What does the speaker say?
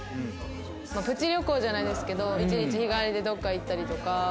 プチ旅行じゃないですけど１日日帰りでどこか行ったりとか。